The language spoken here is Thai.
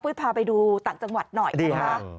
พูดพาไปดูต่างจังหวัดหน่อยกันนะครับ